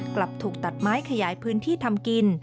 กลับถูกตัดไม้ขยายพื้นที่ทำกิน